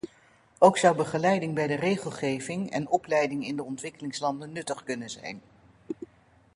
Ook zou begeleiding bij de regelgeving en opleiding in de ontwikkelingslanden nuttig kunnen zijn.